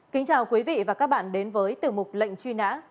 kính chào quý vị và các bạn đến với tiểu mục lệnh truy nã